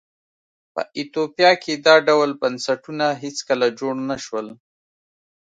په ایتوپیا کې دا ډول بنسټونه هېڅکله جوړ نه شول.